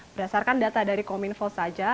berdasarkan data dari kominfo saja